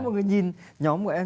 mọi người nhìn nhóm của em